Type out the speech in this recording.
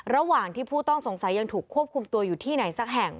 ระหว่างที่ผู้ต้องสงสัยยังถูกควบคุมตัวอยู่ที่ไหนสักแห่ง